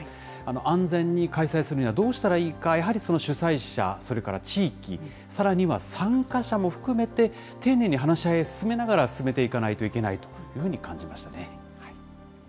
安全に開催するにはどうしたらいいか、やはりその主催者、それから地域、さらには参加者も含めて、丁寧に話し合いを進めながら、進めていかないといけないというふうに感じましたね。